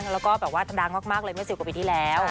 และก็แบบว่าดังมากเมื่อ๑๐ปีที่แล้ว